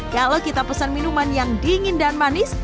kalau kita pesan minuman yang dingin dan manis